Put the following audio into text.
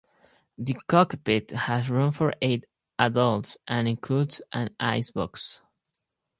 The cockpit has room for eight adults and includes an icebox.